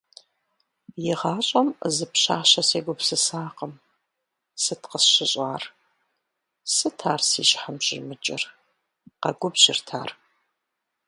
ИгъащӀэм зы пщащэ сегупсысакъым, сыт къысщыщӀар, сыт ар си щхьэм щӀимыкӀыр? - къэгубжьырт ар.